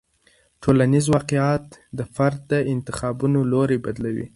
ټولنیز واقیعت د فرد د انتخابونو لوری بدلوي.